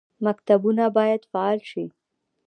مکتبونه باید فعال شي